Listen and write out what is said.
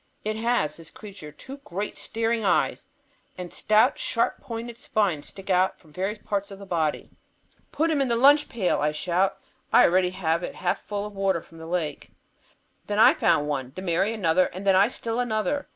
It has, this creature, two great staring eyes, and stout, sharp pointed spines stick out from various parts of the body. "Put him in the lunch pail," I shout. I had already filled it half full of water from the lake. Then I found one; then Mary another, and then I still another.